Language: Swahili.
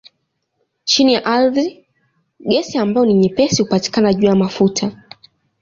Chini ya ardhi gesi ambayo ni nyepesi hupatikana juu ya mafuta.